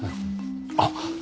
あっ！